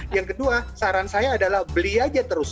yang kedua saran saya adalah beli aja terus